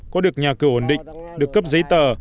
có được nhà cửa ổn định được cấp giấy tờ